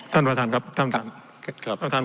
ท่านประธานครับท่านประธาน